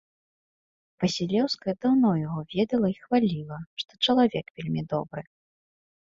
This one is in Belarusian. Васілеўская даўно яго ведала і хваліла, што чалавек вельмі добры.